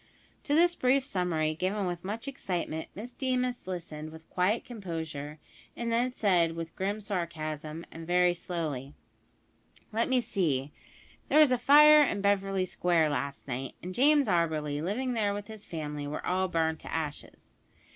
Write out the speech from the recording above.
To this brief summary, given with much excitement, Miss Deemas listened with quiet composure, and then said with grim sarcasm, and very slowly: "Let me see; there was a fire in Beverly Square last night, and James Auberly, living there with his family, were all burned to ashes."